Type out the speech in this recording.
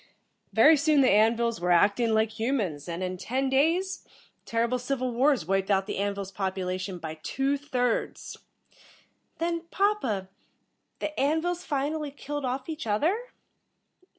Very soon the An vils were acting like humans, and in ten days, terrible civil wars wiped out the An vils' population by two thirds." "Then, papa, the An vils finally killed off each other?"